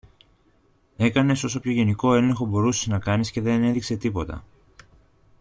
έκανες όσο πιο γενικό έλεγχο μπορούσες να κάνεις και δεν έδειξε τίποτα